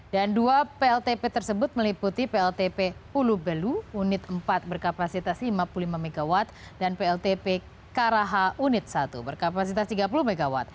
dan dua pltp tersebut meliputi pltp hulu belu unit empat berkapasitas lima puluh lima mw dan pltp karaha unit satu berkapasitas tiga puluh mw